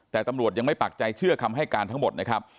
แต่ตำรวจยังไม่ปักใจเชื่อคำให้การทั้งหมดนะครับ